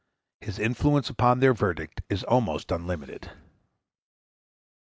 His influence upon their verdict is almost unlimited.